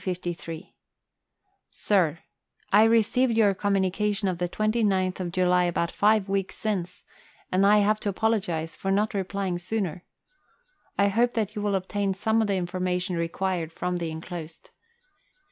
oIR, I received your communication of the 29th July about five weeks since, and I have to apologize for not replying sooner. I hope that you will obtain some of the information required from the enclosed.